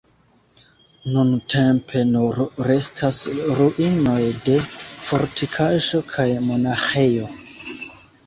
Nuntempe nur restas ruinoj de fortikaĵo kaj monaĥejo.